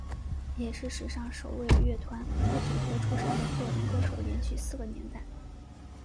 也是史上首位乐团或组合出身的个人歌手连续四个年代。